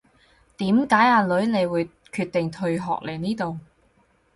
點解阿女你會決定退學嚟呢度